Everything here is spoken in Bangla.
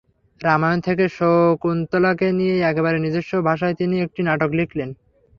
রামায়ণ থেকে শকুন্তলাকে নিয়ে একেবারে নিজস্ব ভাষায় তিনি একটি নাটক লিখলেন।